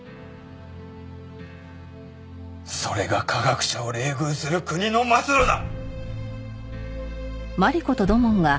それが科学者を冷遇する国の末路だ！